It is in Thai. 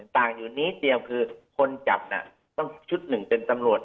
ต่างอยู่นิดเดียวคือคนจับน่ะต้องชุดหนึ่งเป็นตำรวจ